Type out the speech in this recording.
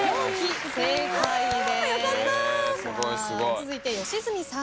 続いて吉住さん。